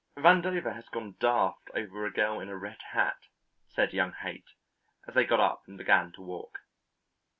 "Vandover has gone daft over a girl in a red hat," said young Haight, as they got up and began to walk.